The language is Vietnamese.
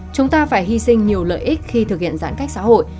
chúng ta phải hy sinh nhiều lợi ích khi thực hiện giãn cách xã hội